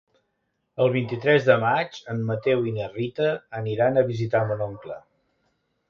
El vint-i-tres de maig en Mateu i na Rita aniran a visitar mon oncle.